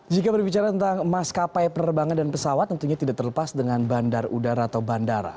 jika berbicara tentang maskapai penerbangan dan pesawat tentunya tidak terlepas dengan bandar udara atau bandara